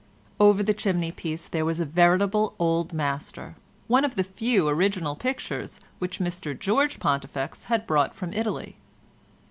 Over the chimney piece there was a veritable old master, one of the few original pictures which Mr George Pontifex had brought from Italy.